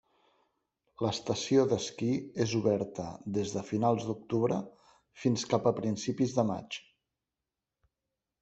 L'estació d'esquí és oberta des de finals d'octubre fins cap a principis de maig.